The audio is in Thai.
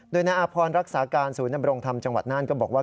โดยนาอาพรรักษาการศูนย์นำรงธรรมจังหวัดน่านก็บอกว่า